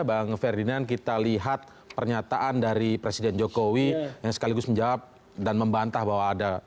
bang ferdinand kita lihat pernyataan dari presiden jokowi yang sekaligus menjawab dan membantah bahwa ada